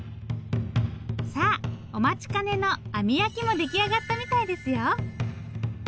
さあお待ちかねの網焼きも出来上がったみたいですよ！